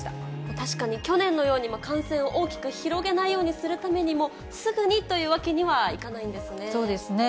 確かに、去年のように感染を大きく広げないようにするためにも、すぐにとそうですね。